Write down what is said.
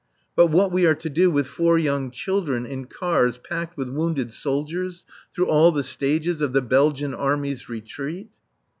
But what we are to do with four young children in cars packed with wounded soldiers, through all the stages of the Belgian Army's retreat